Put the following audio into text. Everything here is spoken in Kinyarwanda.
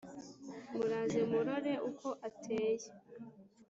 Muraze mumurore uko ateye